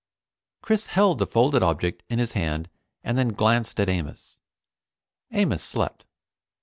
Chris held the folded object in his hand, and then glanced at Amos. Amos slept.